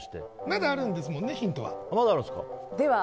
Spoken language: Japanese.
まだあるんですもんねヒントは。